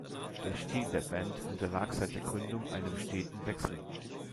Der Stil der Band unterlag seit der Gründung einem steten Wechsel.